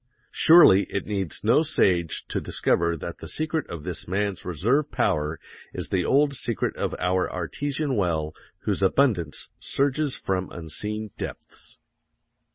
Surely, it needs no sage to discover that the secret of this man's reserve power is the old secret of our artesian well whose abundance surges from unseen depths.